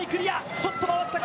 ちょっと回ったか。